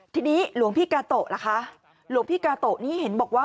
ทีนี้หลวงพี่กาโตะล่ะคะหลวงพี่กาโตะนี่เห็นบอกว่า